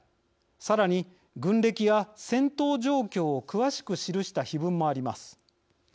さらに軍歴や戦闘状況を詳しく記した碑文もあります。